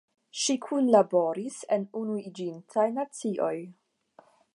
Ŝi kunlaboris en Unuiĝintaj Nacioj.